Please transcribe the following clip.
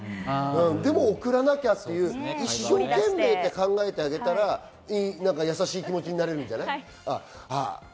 でも送らなきゃっていう一生懸命って考えてあげたら優しい気持ちになれるんじゃない？